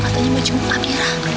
katanya mau jumpa abira